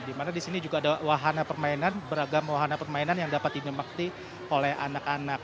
di mana di sini juga ada wahana permainan beragam wahana permainan yang dapat dinimakti oleh anak anak